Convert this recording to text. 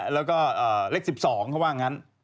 แล้วก็เลข๑๒เขาว่างั้น